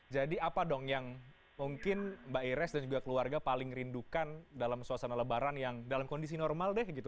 jadi apa dong yang mungkin mbak iris dan juga keluarga paling rindukan dalam suasana lebaran yang dalam kondisi normal deh gitu